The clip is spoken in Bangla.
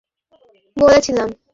তোমাকে কি বলেছিলাম আমি?